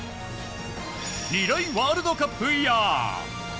２大ワールドカップイヤー。